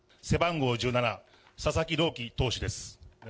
背番号１７、佐々木朗希投手です。